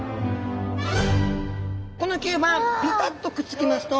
この吸盤ピタッとくっつきますと。